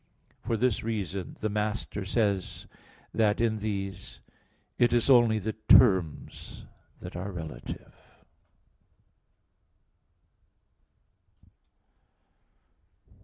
For this reason the Master says (Sent. i, D, xxxi) that in these "it is only the terms that are relative."